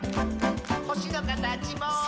「ほしのかたちも」